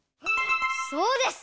そうです。